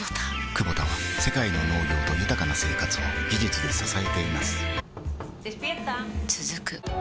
クボタは世界の農業と豊かな生活を技術で支えています起きて。